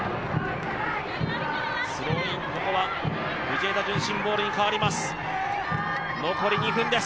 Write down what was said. スローイン、ここは藤枝順心ボールに変わります。